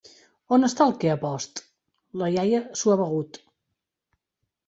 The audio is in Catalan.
On està el que ha post? La iaia s’ho ha begut.